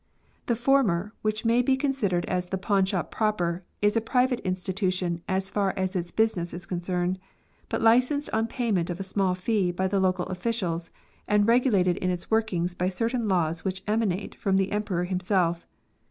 The former, which may be con sidered as the pawnshop proper, is a private institu tion as far as its business is concerned, but licensed on payment of a small fee by the local officials, and regu lated in its workings by certain laws which emanate from the Emperor himself.